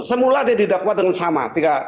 semula dia didakwa dengan sama